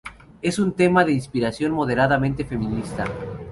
Es un tema de inspiración moderadamente feminista.